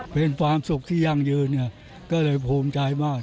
เป็นความสุขที่ยั่งยืนก็เลยภูมิใจมาก